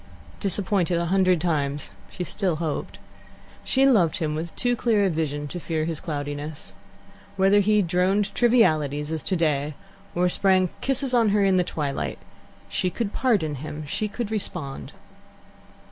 Disappointed a hundred times, she still hoped. She loved him with too clear a vision to fear his cloudiness. Whether he droned trivialities, as today, or sprang kisses on her in the twilight, she could pardon him, she could respond.